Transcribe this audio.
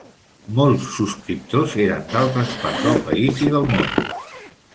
Molts subscriptors eren d'altres parts del país i del món.